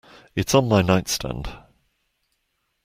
It's on my nightstand.